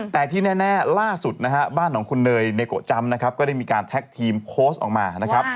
แต่ที่แน่ล่าสุดนะฮะบ้านของคุณเนยเนโกะจำนะครับก็ได้มีการแท็กทีมโพสต์ออกมานะครับ